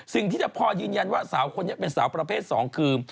สิ่งที่จะพอยืนยันว่าสาวคนนี้เป็นสาวประเภท๒คือ